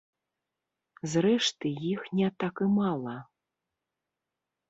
Зрэшты, іх не так і мала.